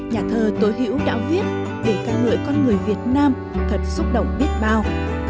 nhà thờ tối hữu đã viết để các người con người việt nam thật xúc động biết bao